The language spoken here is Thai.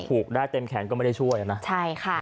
ถูกได้เต็มแขนก็ไม่ได้ช่วยนะ